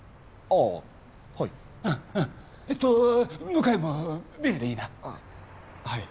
あっはい。